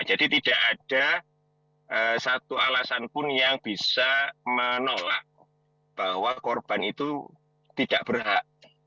jadi tidak ada satu alasan pun yang bisa menolak bahwa korban itu tidak berhak